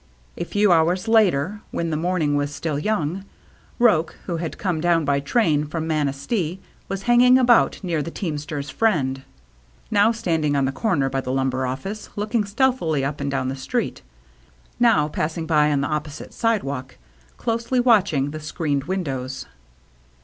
A few hours later, when the morning was still young, Roche, who had come down by train from Manistee, was hanging about near "The Teamster's Friend/' now standing on the cor ner by the lumber office looking stealthily up and down the street, now passing by on the opposite sidewalk, closely watching the screened windows.